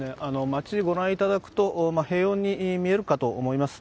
街、ご覧いただくと平穏に見えるかと思います。